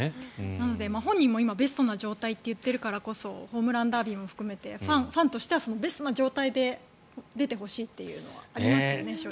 なので本人もベストな状態と言っているからこそホームランダービーも含めてファンとしてはベストな状態で出てほしいというのはありますよね、正直。